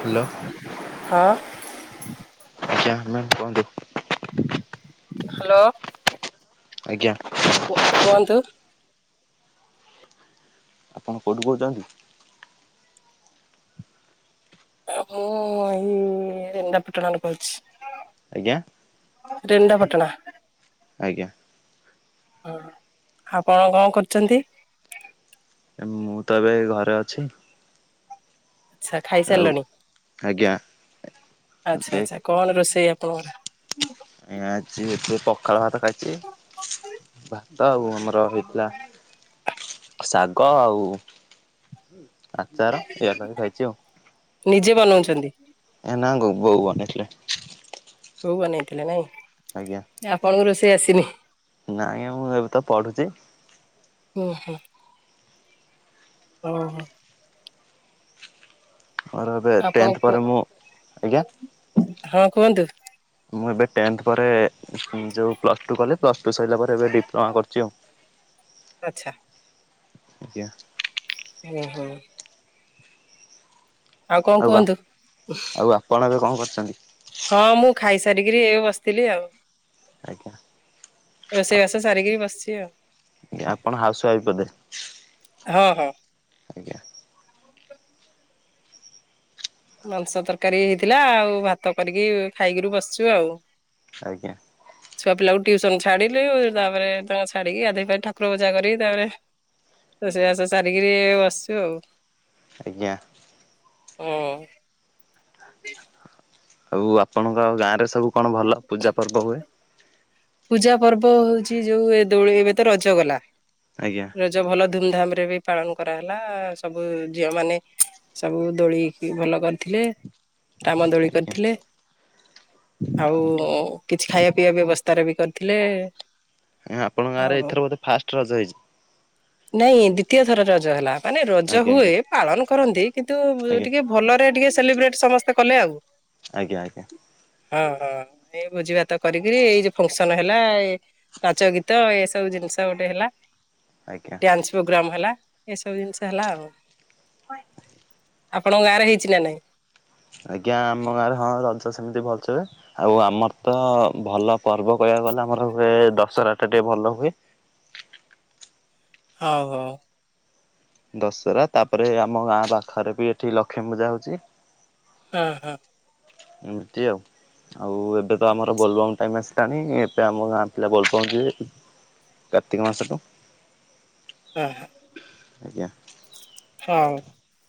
Hello ହଁ। ମେ କୁହନ୍ତୁ। ହ୍ୟାଲୋ। ଆଜ୍ଞା। କୁହନ୍ତୁ? ଆପଣ କେଉଁଠୁ କହୁଛନ୍ତି? ମୁଁ ଇ ରେନଣ୍ଡା ପଟଣା ରୁ କହୁଛି। ଆଜ୍ଞା ରିଣ୍ଡା ପଟଣା ଆଜ୍ଞା। ହ, ଆପଣ କଣ କରୁଛନ୍ତି? ମୁଁ ତ ଏବେ ଘରେ ଅଛି। ଆଛା ଆଉ ଖାଇସାରିଲଣି। ଆଜ୍ଞା ଆଚ୍ଛା ଏବେ ଆଛା କଣ ରୋଷେଇ? ତୋର [unintelligible] ଆଜି ପଖାଳ ଭାତ ଖାଇଛି। ଭାତ ଆଉ ଆମର ହେଇଥିଲା। ଶାଗ ଆଉ ଆଚାର ଇ ଖାଇଛି ଆଉ ନିଜେ ବନଉଛନ୍ତି ଏନା ଖାଇଚି [unintelligible] ବୋଉ ବନେଇ ଥିଲେ। ବୋଉ ବନେଇଥିଲେ ନାଇଁ। ଆପଣଙ୍ଙ୍କୁ ରୋଷେଇ ଆସିନି। ନାଇଁ ମୁଁ ଏବେ ତ ପଢୁଛି। ହଁ ହୋ ଓ ହୋ। ଆ ଏବେ ଆପଣ ଟେନ୍ଥ କୁହ ପରେ ମୁଁ ଆଜ୍ଞା ହଁ କୁହନ୍ତୁ। ମୁଁ ଏବେ ଟେନ୍ଥ ପରେ ଯେଉଁ ପ୍ଲସ୍ ଟୁ କଲି ପ୍ଲସ୍ ଟୁ ସରିଲା ପରେ ଏବେ ଡିପ୍ଲୋମା କରିଛି ଆଉ। ଆଛା ଆଜ୍ଞା ହୁ ହୁଁ କଣ ଆଉ କୁହନ୍ତୁ? ଆଉ ଆପଣ ଏବେ କଣ କର? ହଁ, ମୁଁ ଖାଇ ସାରିକିରି ଏ ବସିଥିଲି ଆଉ। ଆଜ୍ଞା ରୋଷେଇବାସ ସାରିକି ବସିଛି ଆଉ। ଆଜ୍ଞା ଆପଣ ହାଉସ ୱାଇଫ୍ ବୋଧେ ହଁ ହଁ। ଆଜ୍ଞା। ମାଂସ ତରକାରୀ ହେଇଥିଲା। ଆଉ ଭାତ କରିକି ଖାଇକିରି ବସିଛୁ ଆଉ। ଆଜ୍ଞା। ଟିଉସନ ଛାଡିଲି ତାପରେ ତାଙ୍କ ଛାଡିକି ଗାଧେଇ ଠାକୁର ପୂଜା କରିକି ତାପରେ ତ ରୋଷେଇ ବାସେଇ ସାରିକିରି ବସିଛୁ ଆଉ। ଆଜ୍ଞା। ହଁ। [inaudible] ଆଉ ଆପଣଙ୍କ ଗାଁ ରେ ସବୁ କଣ ଭଲ ପୂଜା ପର୍ବ ହୁଏ? ପୂଜା ପର୍ବ ହଉଛି ଯୋଉଁ ଏ ଦୋଳ ଏବେ ତ ରଜ ଗଲା ଆଜ୍ଞା ରଜ ଭଲ ଧୁମ ଧାମରେ ରେ ବି ପାଳନ କରାହେଲା ସବୁ ଝିଅ ମାନେ ସବୁ ଦୋଳିିକି ଭଲ କରିଥିଲେ। ରାମ ଦୋଳି ଆଜ୍ଞା କରିଥିଲେ। ଆଉ କିଛି ଖାଇବା ପିଇବା ବ୍ୟବସ୍ଥା ତାର ବି କରିଥିଲେ। ଆପଣଙ୍କ ଆଉ ଗାଁରେ ଏଥର ବୋଧେ ଫାଷ୍ଟ ରଜ ହେଇଛି। ନାଇଁ ଦ୍ଵିତୀୟ ଥର ରଜ ହେଲା। ମାନେ ରଜ ଆଜ୍ଞା ଆଜ୍ଞା ହୁଏ ପାଳନ କରନ୍ତି କିନ୍ତୁ ଆଜ୍ଞା। ଟିକେ ଭଲରେ ଟିକେ ସେଲିବ୍ରେଟ ସମସ୍ତେ କଲେ ଆଉ। ଆଜ୍ଞା ଆଜ୍ଞା। ହଁ ହଁ। ଏଇ ଭୋଜି ଭାତ କରିକିରି ଏଇ ଯୋଉ ଫଙ୍କସନ ହେଲା ଏ ନାଚ ଗୀତ ଏ ସବୁ ଜିନିଷ ଗୋଟେ ହେଲା। ଆଜ୍ଞା ଡ୍ୟାନ୍ସ ପ୍ରୋଗ୍ରାମ ହେଲା। ଏସବୁ ଜିନିଷ ହେଲା ଆଉ। ଆପଣଙ୍କ ଗାଁରେ ହେଇଛି ନା ନାଇଁ? ଆଜ୍ଞା ଆମ ଗାଁରେ ହଁ ରଜ ସେମିତି ଭଲ ସେ ହୁଏ ଆଉ ଆମର ତ ଭଲ ପର୍ବ କହିବା ଗ ଆମର ହୁଏ ଦଶହରା ଟା ଟିକେ ଭଲ ହୁଏ। ହଉ ହଉ। ଦଶହରା ତାପରେ ଆମ ଗାଁ ପାଖରେ ବି ଏଠି ଲକ୍ଷ୍ମୀ ପୂଜା ହଉଛି। ହଁ ହଁ। ଏମିତି ଆଉ ଆଉ ଏବେ ତ ଆମର ବୋଲବମ୍ ଟାଇମ ଆସ ଟାଣି ଏବେ ଆମ ଗାଁ ପିଲା ବୋଲବମ୍ ଯିବେ କାର୍ତ୍ତିକ ମାସକୁୁ। ଆଜ୍ଞା। [unintelligible]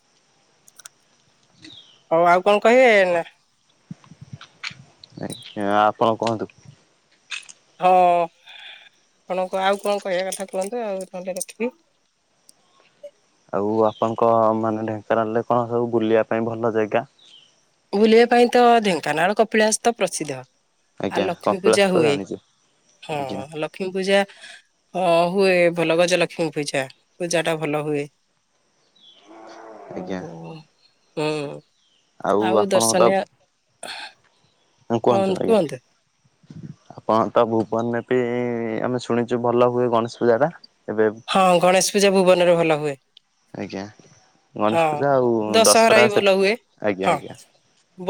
ହଉ ଆଉ କଣ କହିବେ ନା ଆ୍ଞା ଆପଣ କୁହନ୍ତୁ। ହଁ। ଆପଣଙ୍କୁ ଆଉ କଣ କହିବା କଥା କୁହନ୍ତୁ ଆଉ ନହଲେ ରଖିବି। ଆଉ ଆପଣଙ୍କ ମାନେ ଢେଙ୍କାନାଳରେ କଣ ସବୁ ବୁଲିବା ପାଇଁ ଭଲ ଯେଗା? ବୁଲିବା ପାଇଁ ତ ଢେଙ୍କାନାଳ କପିଳାସ ତ ପ୍ରସିଦ୍ଧ। ଆଉ ଆଜ୍ଞା ଲକ୍ଷ୍ମୀ କପିଳାସ ପୂଜା ତ ହୁଏ ଜାଣିଛୁ ହଁ ଆଜ୍ଞା ଲକ୍ଷ୍ମୀ ପୂଜା ହଁ ହୁଏ ଭଲ ଗଜ ଲକ୍ଷ୍ମୀ ପୂଜା ପୂଜା ଟା ଭଲ ହୁଏ। [inaudible] ଓ ଆଜ୍ଞା ହୁଁ। ଆଉ ଆପଣଙ୍କ ତ [unintelligible] କୁହନ୍ତୁ ଆ୍ଞା ଆପଣ ତ ଭୁବନ ନେପ ଆମେ ଶୁଣିଛୁ ଭଲ ହୁଏ ଗଣେଶ ପୂଜା ଟା। ଏବେ ହଁ ଗଣେଶ ପୂଜା ଭୁବନରେ ଭଲ ହୁଏ। ଆଜ୍ଞା ଗଣେଶ ହଁ ପୂଜା ଆଉ ଦଶହରା ହିଁ ସେ ଭଲ ହୁଏ। ଆଜ୍ଞା ହଁ। ଆଜ୍ଞା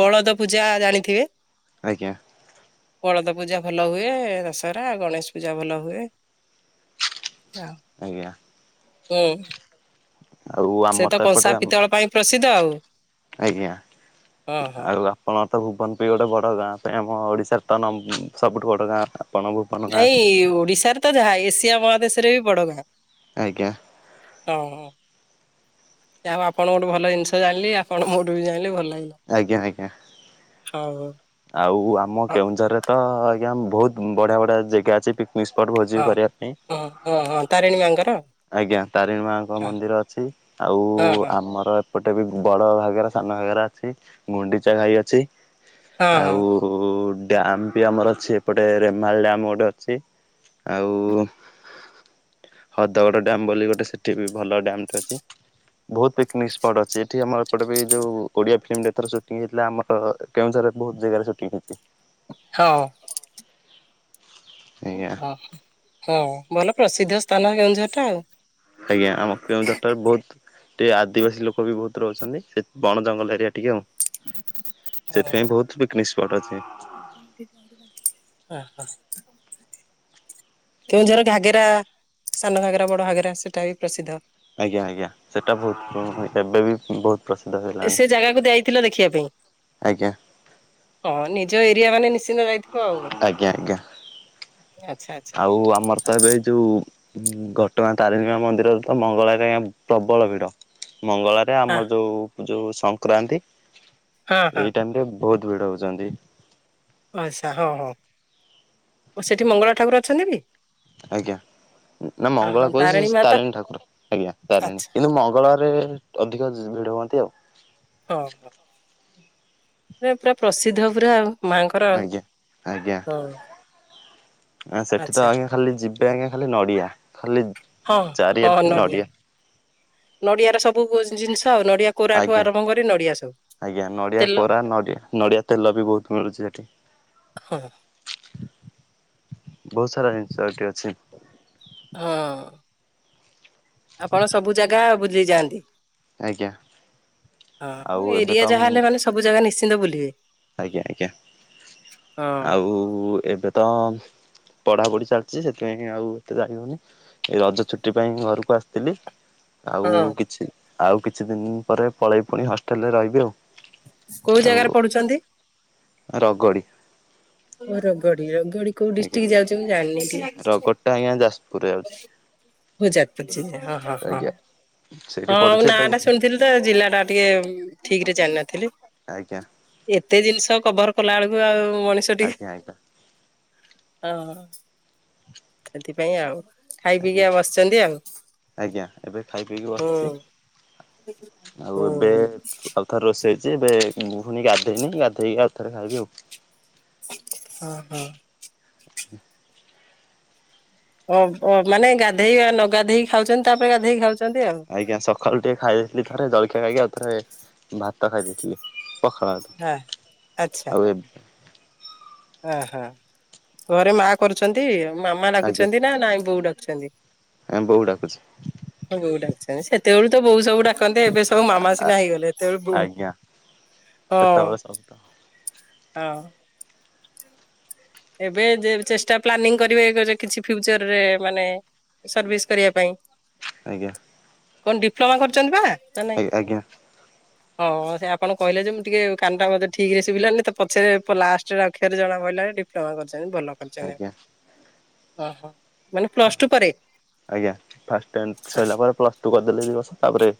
ବଳଦ ପୂଜା ଜାଣିଥିବେ ଆଜ୍ଞା ବଳଦ ପୂଜା ଭଲ ହୁଏ ଦଶହରା ଗଣେଶ ପୂଜା ଭଲ ହୁଏ। ଆଜ୍ଞା। ହଁଉ ଆଉ ଆମର ତ ଏପଟେ ପ୍ରସିଦ୍ଧ ଆଉ ଆଜ୍ଞା। ହଁ ହଁ। ଆଉ ଆପଣ ତ ଭୁବନବି ଗୋଟେ ବଡ଼ ଗାଁ ପାଇଁ ଆମ ଓଡ଼ିଶାରେ ତ ସବୁଠୁ ବଡ଼ ଗାଁଟା। ନାଇଁ ଓଡିଶାରେ ତ ଯାହା ଏସିଆ ମହାଦେଶ ରେ ବି ବଡ ଗାଁ। ଆଜ୍ଞା ହଁ। ଆଉ ଆପଣ ଗୋଟେ ଭଲ ଜିନିଷ ଜାଣିଲେ ଆପଣ ମୋର ବି ଜାଣିଲେ ଭଲ ଆଜ୍ଞା ଆଜ୍ଞା। ହଉ ହଉ। ଆଉ ଆମ ହଁ କେଉଁଝରରେ ତ ଆଜ୍ଞା ବହୁତ ବଢିଆ ବଢିଆ ଯେଗା ଅଛି ବିସ୍ପଟ୍ ଭୋଜି ହଁ କରିବା ପାଇଁ। ହଁ ହଁ ହଁ ତାରିଣୀ ମାଙ୍କର ହଁ ଆଜ୍ଞା ତାରିଣୀ ମାଙ୍କ ମନ୍ଦିର ଅଛି ଆଉ ହଁ ହଁ ଆମର ଗୋଟେ ବି ବଡ ଭାଗରା ସାନ ଭାଗରା ଅଛି, ଗୁଣ୍ଡିଚା ଘାଇ ଅଛି,। ହଁ ଆଉ ହଁ ଉ ଡ୍ୟମ୍ ବି ଆମର ଅଛି ଏପଟେ ରେମାଲ ଡ୍ୟମ୍ ଗୋଟେ ଅଛି ଆଉ ହଦଗଡ ଡ୍ୟାମ ବୋଲି ଗୋଟେ ସେଠି ବି ଭଲ ଡ୍ୟାମେ ଟେ ଅଛି। ବହୁତ ପିକନିକ ସ୍ପଟ୍ ଅଛି ଏଠି ଆମର ଏପଟେ ବି ଯୋଉ ଓଡିଆ ଫିଲ୍ମ ଏଥର ସୁଟିଂ ହେଇଥିଲା ଆମର କେଉଁଝର ବହୁତ ଜାଗାରେ ଛୁଟିଂ ହେଇଛି। ହଁ। ଆଜ୍ଞା। ହଁ ହଁ ଭଲ ପ୍ରସିଦ୍ଧ ସ୍ଥାନ କେଉଁଝର ଟା ଆଉ। ଆଜ୍ଞା ଆମ କେଉଁଝର ଟା ବୋଉତୁ ଟିକେ ଆଦିବାସୀ ଲୋକ ବି ବହୁତ ରହୁଛନ୍ତି ସେ ବଣ ଜଙ୍ଗଲ ଏରିଆ ଟିକେ ଆଉ। ସେଥିପାଇଁ ବହୁତ ପିକନିକ ସ୍ପଟ ଅଛି। ହଁ ହଁ। କେଉଁଝର ଘାଗେରା ସାନ ଘାଗେରା ବଡ ଘଘେରା ସେଟା ବି ପ୍ରସିଦ୍ଧ। ଆଜ୍ଞା ଆଜ୍ଞା ସେଟା ବହୁତ କା ଏବେ ବି ବହୁତ ପ୍ରସିଦ୍ଧ ହେଲାଣି ସେ ଜାଗାକୁ ଯାଇଥିଲ ଦେଖିବା ପାଇଁ ଆଜ୍ଞା ହଁ ନିଜ ଏରିଆ ମାନେ ଦିନ ଯାଇଥିବ ଆଉ ଆଜ୍ଞା ଆଜ୍ଞା ଆଚ୍ଛା ଆଚ୍ଛା। ଆଉ ଆମର ତ ଏବେ ଏଇ ଯୋଉଁ ଘଟଗାଁ ତାରିଣୀ ମା ମନ୍ଦିରରେ ତ ମଙ୍ଗଳବାରେ ପ୍ରବଳ ଭିଡ। ମଙ୍ଗଳାରେ ହଁ ଆମର ଯୋଉଁ ଯୋଉଁ ସଂକ୍ରାନ୍ତି ହଁ ହଁ ଏଇ ଟାଇମରେ ବହୁତ ଭିଡ ହଉଛନ୍ତି। ଆଚ୍ଛା ହଁ ହଁ ସେଠି ମଙ୍ଗଳା ଠାକୁର ଅଛନ୍ତି ବି? ଆଜ୍ଞା। ନା ଅ ହଁ ମଙ୍ଗଳା କହୁଛି ମା ତ ତାରିଣୀ ଠାକୁର ଆଜ୍ଞା ତାରିଣୀ ଆଚ୍ଛା କିନ୍ତୁ ମଙ୍ଗଳରେ ଅଧିକ ଭିଡ ହୁ ଦେଓ ହଁ ହଁ। ମ ପୁରା ପ୍ରସିଦ୍ଧ ପୁରା ମାଙ୍କର ଆଜ୍ଞା ଆଜ୍ଞା ହଁ। ସେଠି ତ ଆଚ୍ଛା ଆଜ୍ଞା ଖାଲି ଯିବେ ଆଜ୍ଞା ଖାଲି ନଡିଆ ଖାଲି ହଁ ହଁ ଚାରିଆଟ ନଡ଼ିଆ। ନଡିଆ ର ସବୁ ଜିନିଷ ଆଉ ନଡିଆ କୋରାଠୁ ଆଜ୍ଞା ଆରମ୍ଭ କରି ନଡିଆ ସବୁ। ଆଜ୍ଞା ନଡିଆ ତେଲ କୋରା ନଡିଆ ନଡିଆ ତେଲ ବି ବହୁତ ମିଳୁଛି ସେଠି। ହଁ। ବହୁତ ସାରା ଜିନିଷ ଏଠି ଅଛି। ହଁ। ଆପଣ ସବୁ ଜାଗା ବୁଲି ଯାଆନ୍ନ୍ତି? ଆଜ୍ଞା ଆଉ ହଁ ଏବେ ତ ଏରିଆ ଯାହା ମୁଁ ହେଲେ ମାନେ ସବୁ ଜାଗା ନିଶ୍ଚିନ୍ତ ବୁଲିବେ। ଆଜ୍ଞା ଆଜ୍ଞା ହଁ। ଆଉ ଏବେ ତ ପଢାପଢି ଚାଲିଛି ସେଥିପାଇଁ ଆଉ ଏତେ ଯାଈହଉନି ଏ ରଜ ଛୁଟି ପାଇଁ ଘରକୁ ଆସିଥିଲି। ଆଉ ହଁ କିଛି ଆଉ କିଛି ଦିନ ପରେ ପଳେଇ ପୁଣି ହଷ୍ଟେଲରେ ରହିବି ଆଉ। କୋଉଁ ଆଉ ଜାଗାରେ ପଢୁଛନ୍ତି? ରଗଡ଼ି। ହୋ ରଗଡି ରଗଡି କୋଉ ଆଜ୍ଞା ଡିଷ୍ଟ୍ରିକ୍ଟ ଯାଉଛି ମୁଁ ଜାଣିନି। ରଗଡ଼ ଟା ଆଜ୍ଞା ଯାଜପୁରରେ ଯାଉଛି ହ ଜାପୁଜି ହଁ ହଁ ହଁ। ଆଜ୍ଞା ସେଇଠି ହଁ ପଢୁଛି ନାଁ ତାକୁ ଟା ଶୁ ଜାଣିନଥିଲି ଆଜ୍ଞା ଏତେ ଜିନିଷ କଭର କଲା ବେଳକୁ ଆଉ ମଣିଷ ଆଜ୍ଞା ଟିକେ ଆଜ୍ଞା ହଁ। [unintelligible] ସେଥିପାଇଁ ଆଉ। ଖାଇ ପିଇକି ଆଜ୍ଞା ଆଉ ବସିଛନ୍ତି ଆଉ ଆଜ୍ଞା ଏବେ ଖାଇ ପିଇକି ହୁଁ ବସିଛି। ଆଉ ହୁଁ ଏବେ ଆଉଥରେ ରୋଷେଇ ଯେବେ ମୁଁ ଫୁଣି ଗାଧେଇନି ଗାଧେଇକି ଆଉଥରେ ଖାଇବି ଆଉ। ହଁ ହଁ। ହୁଁ ଓ ଓ ମାନେ ଗାଧେଇ ନଗାଧେଇ ଖାଉଛନ୍ତି ତାପରେ ଗାଧେଇ ଖାଉଛ ଆଜ୍ଞା ସକାଳୁ ଟିକେ ଖାଇ ଦେଇେଇଥିଲି ଥରେ ଜଳଖିଆ ଖାଇକି ଆଉ ଥରେ ଭାତ ଖାଇ ଦେଇଥିଲି। ପାଖଳା ହଁ ଆଚ୍ଛା। ଆଉ ଏ ଓହୋ ଘରେ ମା କରୁଛନ୍ତି ମାମା ଡାକୁଛନ୍ତି ନା ନାଇଁ ବୋଉ ଡାକୁଛନ୍ତି। ଆ ବହୁ ଡାକୁଚି। ହଁ ବୋଉ ଡାକୁଛନ୍ତି ସେତେବେଳୁ ତ ବୋଉ ସବୁ ଡାକନ୍ତେ ଏବେ ସବୁ ମାମା ସିନା ହେଇଗଲେ ସେତେବେଳେ। ସେତା ହଁ ବସ [unintelligible] ହଁ। ଏବେ ଚେଷ୍ଟା ପ୍ଲାନିଂ କରିବେ କିଛି ଫ୍ୟୁଚରରେ ମାନେ ସର୍ଭିସ କରିବା ପାଇଁ। ଆଜ୍ଞା। କଣ ଡିପ୍ଲୋମା କରିଛନ୍ତି ବା ନା ନାଇଁ? ଆଜ୍ଞା ଆଜ୍ଞା। ହଁ ସେ ଆପଣ କହିଲେ ଯେ ମୁଁ ଟିକେ କାନ ଟାେ ଠିକ ରେ ଶିଭିଲାନି ତ ପଛରେ ଲାଷ୍ଟ ଅକ୍ଷରେ ଜଣା ପଡ଼ିଲା। ପ୍ଲାୱାର କରିଚାରିଲେ ଭଲ କରିଛନ୍ତି ଆଜ୍ଞା ଆ ଓହୋ। ମାନେ ପ୍ଲସ ଟୁ ପରେ ଆଜ୍ଞା ଫାଷ୍ଟ ଟାଇମି ସରିଲା ପରେ ପ୍ଲସ ଟୁ କରିଦେଲେ ଦି ବର୍ଷ ତାପରେ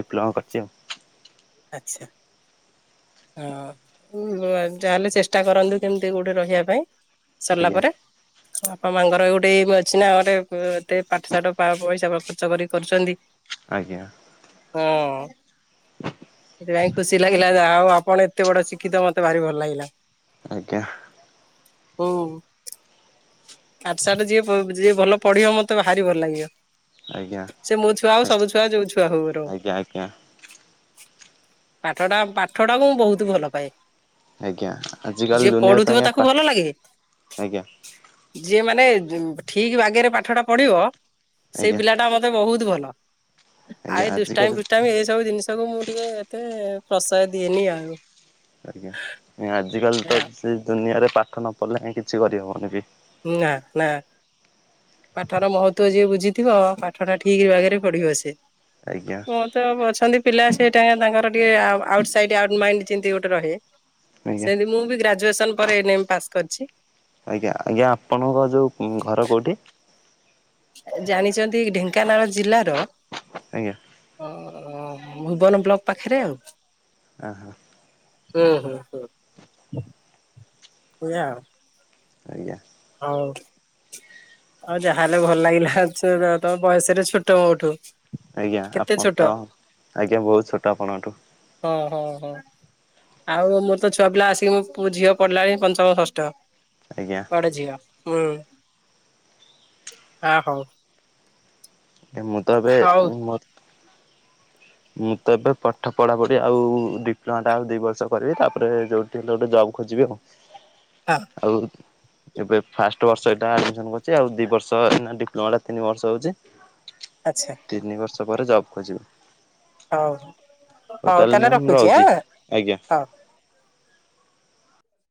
ଡିପ୍ଲୋମା କରଚି ଆଉ। ଆଛା। ହଁ ତାହେଲେ ଚେଷ୍ଟା କରନ୍ତୁ କେମିତି କୋଉଠି ରହିବା ପାଇଁ। ସରିଲା ଆଜ୍ଞା ପରେ। ମା ଙ୍କର ଗୋଟେଇ ଅଛି ନା ଗୋଟେ ଏତେ ପାଠ ସାଠ ପଇସା ଖର୍ଚ୍ଚ କରି କରୁଛନ୍ତି ଆଜ୍ଞା ହଁ। ସେଥିପାଇଁ ଖୁସି ଲାଗିଲା ଆଉ ଆପଣ ଏତେ ବଡ ଶି୍ଖିତ ମତେ ଭାରି ଭଲ ଲାଗିଲା। ଆଜ୍ଞା। ଓ ପାଠ ସାଟ ଯିଏ ପ ଯିଏ ଭଲ ପଢିବ ମତେ ଭାରି ଭଲ ଲାଗିବ। ଆଜ୍ଞା ସେ ମୋ ଛୁଆ ହଉ ସବୁ ଛୁଆ ଯୋଉ ଛୁଆ ହଉ ବରଂ। ଆଜ୍ଞା ଆଜ୍ଞା ପାଠ ଟା ପାଠ ଟାକୁ ମୁଁ ବହୁତ ଭଲ ପାଏ। ଆଜ୍ଞା ଆଜିକାଲି ଯିଏ ଦୁନିଆରେ ତ ପଢୁଥିବ ଆଜ୍ଞା ତାକୁ ପା ଭଲ ଲାଗେ। ଆଜ୍ଞା ଯିଏ ମାନେ ଠିକ ବାଗେରେ ପାଠଟା ପଢିବ ସେଇ ଆଜ୍ଞା ପିଲା ଟା ମତେ ବହୁତ ଭଲ। ଆ ଆଜ୍ଞା ଏ ଆଜିକାଲି ଦୁଷ୍ଟାାମ ଫୁଷ୍ଟାମ ଏଇ ସବୁ ଜିନିଷକୁ ମୁଁ ଟିକେ ଏତେ ପ୍ରସୟ ଦିଏନି ଆଉ। ଆଜ୍ଞା ଆଜିକାଲି ନା ତ ସେ ଦୁନିଆରେ ପାଠ ନ ପଢିଲେ କିଛି କରିହବନି। ହୁଁ ନା ନା। ପାଠର ମହତଵ ଯିଏ ବୁଝିଥିବ ପାଠ ଟା ଠିକ ଆଗରେ ପଢିବ ସେ ଆଜ୍ଞା ମତେ ଅଛନ୍ତି ପିଲା ସେଇଟା ତାଙ୍କର ଟିକେ ଆଉଟ୍ ସାଇଡ ଆଉଟ ମାଇଣ୍ଡ ଯେମିତି ଗୋଟେ ରହେ ଆଜ୍ଞା। ସେମତି ମୁଁ ବି ଗ୍ରାଜୁଏସନ ପରେ ଏନ ଏମ ପାସ୍ କରିଛି। ଆଜ୍ଞା ଆଜ୍ଞା ଆପଣଙ୍କ ଯଉ ଘର କେଉଁଠି? ଜାଣିଛନ୍ତି ଢେଙ୍କାନାଳ ଜିଲ୍ଲାର ଆଜ୍ଞା ଭୁବନ ବ୍ଲକ ପାଖରେ ଆଉ। ଅହ। ହୁଁ ହୁଁ ହ ଏଇଆ। ଆଜ୍ଞା ହଉ। ଆଉ ଯାହାହେଲେ ଭଲ ଲାଗିଲା ତମ ବୟସରେ ଛୋଟ ମୋଠୁ। ଆଜ୍ଞା କେତେ ଆପଣ ଛୋଟ ତ ଆଜ୍ଞା ବହୁତ ଛୋଟ ଆପଣଙ୍କଠୁ। ହଁ ହଁ ହଁ। ଆଉ ମୋର ତ ଛୁଆ ପିଲା ଆସିକି ଝିଅ ପଢିଲାଣି ପଞ୍ଚମ ଷଷ୍ଠ। ଆଜ୍ଞା ବଡ଼ ଝିଅ ଉଁ ହ ହଉ। ମୁଁ ତ ଏବେ ହଉ। ମୋ ମୁଁ ତ ଏବେ ପାଠ ପଢାପଢ଼ି ଆଉ ଦିପ୍ଲୋମା ଟା ଆଉ ଦୁଇ ବର୍ଷ କରିବି ତାପରେ ଯେଉଁଠି ହେଲେ ଗୋଟେ ଜବ୍ ଖୋଜିବି। ଆଉ ହଁ। ଆଉ। ଏବେ ଫାଷ୍ଟ ବର୍ଷ ଏଟା ଆଡମିଶନ କରିଛି ଆଉ ଦି ବର୍ଷ ଡିପ୍ଲୋମାଟା ତିନି ବର୍ଷ ହଉଛି। ଆଚ୍ଛା ତିନି ବର୍ଷ ପରେ ଜବ ଖୋଜିବି। ହଉ ହଉ ତାହେଲେ ମ୍ୟାମ ରହୁଛି ଆଜ୍ଞା। ହଉ।